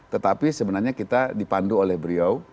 tetapi sebenarnya kita dipandu oleh beliau